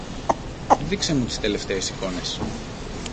Δείξε μου τις τελευταίες εικόνες.